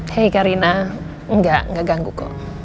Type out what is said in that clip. hei karina enggak enggak ganggu kok